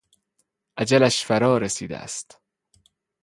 اجلش فرا رسیده است.